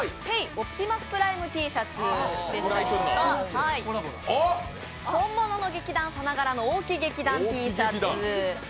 オプティマスプライムＴシャツですとか、本物の劇団さながらの大木劇団Ｔシャツ。